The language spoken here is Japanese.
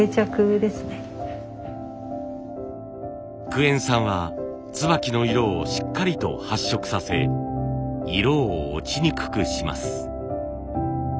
クエン酸は椿の色をしっかりと発色させ色を落ちにくくします。